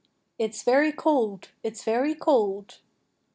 It's very cold, it's very cold.